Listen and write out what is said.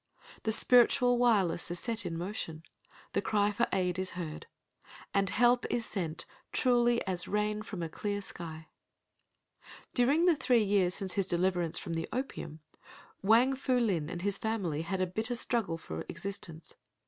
The spiritual wireless is set in motion. The cry for aid is heard. And help is sent truly as rain from a clear sky. During the three years since his deliverance from the opium, Wang Fu Lin and his family had had a bitter struggle for existence.